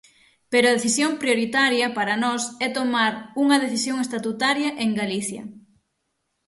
Pero a decisión prioritaria para nós é tomar unha decisión estatutaria en Galicia.